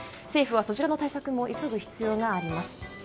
政府はそちらの対策も急ぐ必要があります。